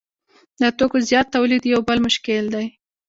د توکو زیات تولید یو بل مشکل دی